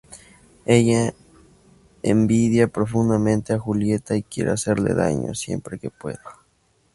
Ella envidia profundamente a Julieta y quiere hacerle daño siempre que puede.